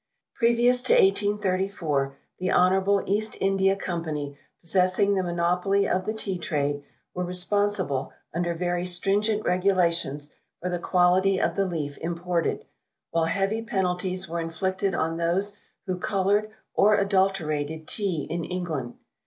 Previous to 1834, the Honourable East India Company, possessing the monopoly of the Tea trade, were responsible, under very stringent regulations, for the quality of the leaf imported, while heavy penalties were inflicted on those who coloured or adulterated Tea in England.